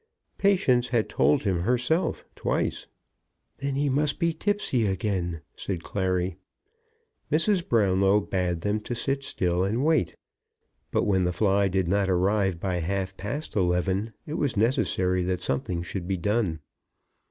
Patience had told him herself, twice. "Then he must be tipsy again," said Clary. Mrs. Brownlow bade them to sit still and wait; but when the fly did not arrive by half past eleven, it was necessary that something should be done.